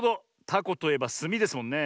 タコといえばすみですもんね。